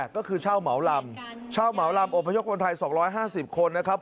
ก็คือเช่าเหมาลำเช่าเหมาลำอบพยพคนไทย๒๕๐คนนะครับ